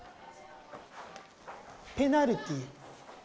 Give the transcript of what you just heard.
ペナルティー。